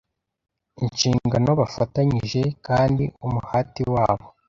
inshingano bafatanyije, kandi umuhati wabo